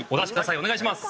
お願いします！